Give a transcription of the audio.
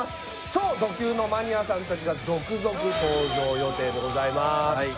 超ド級のマニアさんたちが続々登場予定でございます